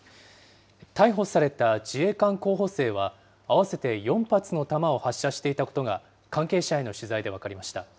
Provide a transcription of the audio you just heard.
逮捕された自衛官候補生は、合わせて４発の弾を発射していたことが、関係者への取材で分かりました。